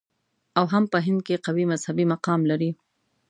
او هم په هند کې قوي مذهبي مقام لري.